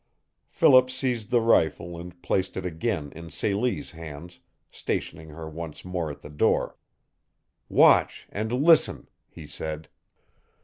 Philip seized the rifle and placed it again in Celie's hands, stationing her once more at the door. "Watch and listen," he said.